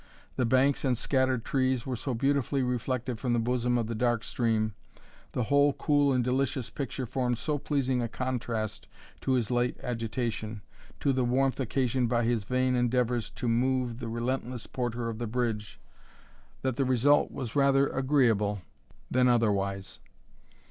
The banks and scattered trees were so beautifully reflected from the bosom of the dark stream, the whole cool and delicious picture formed so pleasing a contrast to his late agitation, to the warmth occasioned by his vain endeavours to move the relentless porter of the bridge, that the result was rather agreeable than otherwise.